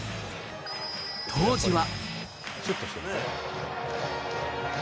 当時は。